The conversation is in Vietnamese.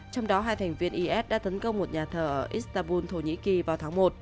trong đó hai thành viên is đã tấn công một nhà thờ ở istanbul thổ nhĩ kỳ vào tháng một